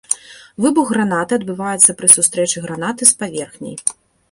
Выбух гранаты адбываецца пры сустрэчы гранаты с паверхняй.